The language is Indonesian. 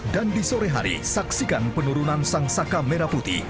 dan di sore hari saksikan penurunan sang saka merah putih